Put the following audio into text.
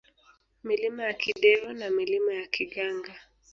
Milima ya Kidero na Milima ya Kiganga